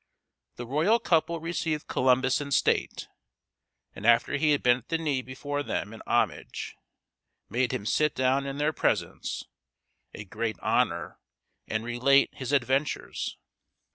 The royal couple received Columbus in state, and, after he had bent the knee before them in homage, made him sit down in their presence a great honor and relate his adventures.